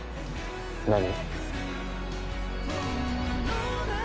何？